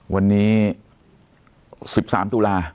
วันนี้๑๓ตุลา